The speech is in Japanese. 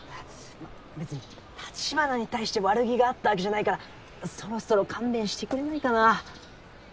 別に橘に対して悪気があったわけじゃないからそろそろ勘弁してくれないかなぁ。